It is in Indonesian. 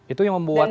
itu yang membuat